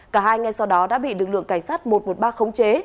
cả hai ngay sau đó đã bị lực lượng cảnh sát một trăm một mươi ba khống chế